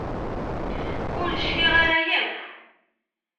Ur cfiɣ ara yakk.